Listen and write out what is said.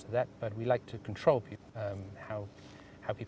tapi kita ingin mengawasi